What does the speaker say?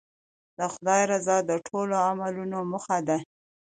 د خدای رضا د ټولو عملونو موخه ده.